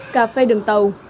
cà phê đường tàu